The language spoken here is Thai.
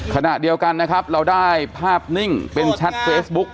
ขณะเดียวกันนะครับเราได้ภาพนิ่งเป็นแชทเฟซบุ๊ก